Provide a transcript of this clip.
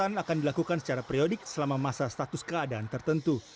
pemeriksaan akan dilakukan secara periodik selama masa status keadaan tertentu